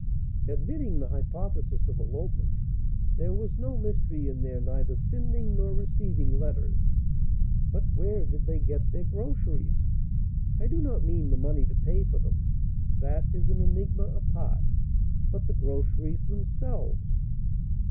Admitting the hypothesis of elopement, there was no mystery in their neither sending nor receiving letters. But where did they get their groceries? I do not mean the money to pay for them that is an enigma apart but the groceries themselves.